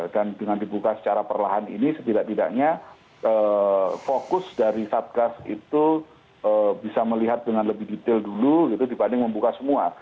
dengan dibuka secara perlahan ini setidak tidaknya fokus dari satgas itu bisa melihat dengan lebih detail dulu dibanding membuka semua